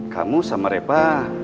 kamu sama reva